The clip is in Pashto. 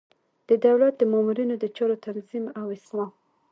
د دولت د مامورینو د چارو تنظیم او اصلاح.